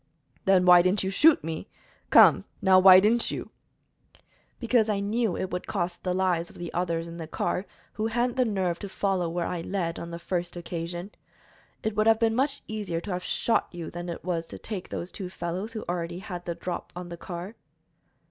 "Then why didn't you shoot me? Come, now, why didn't you?" "Because I knew it would cost the lives of the others in the car, who hadn't the nerve to follow where I led, on the first occasion. It would have been much easier to have shot you than it was to take those two fellows who already had the drop on the car."